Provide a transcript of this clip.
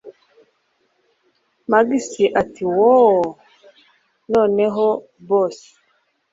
max ati woowww noneho boss